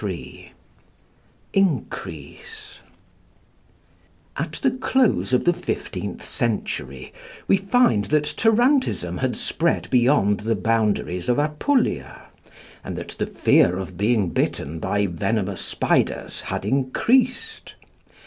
3 INCREASE At the close of the fifteenth century we find that tarantism had spread beyond the boundaries of Apulia, and that the fear of being bitten by venomous spiders had increased.